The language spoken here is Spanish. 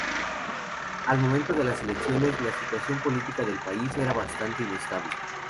Al momento de las elecciones, la situación política del país era bastante inestable.